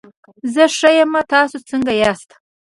زه ښه یم، تاسو څنګه ياست؟